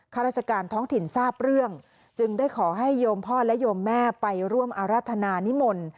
ข้าราชการท้องถิ่นทราบเรื่องจึงได้ขอให้โยมพ่อและโยมแม่ไปร่วมอรัฐนานิมนต์